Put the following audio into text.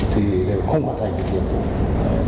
thì đều không hoàn thành được điều hồi